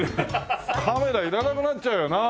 カメラいらなくなっちゃうよなあ。